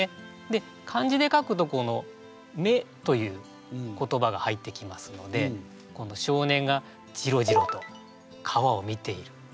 で漢字で書くとこの「目」という言葉が入ってきますので少年がじろじろと川を見ている。